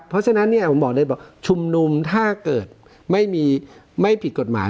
เพราะฉะนั้นเนี่ยผมบอกเลยบอกชุมนุมถ้าเกิดไม่ผิดกฎหมาย